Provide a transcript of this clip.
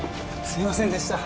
すいませんでした